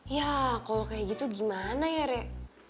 ya kalau kayak gitu gimana ya rek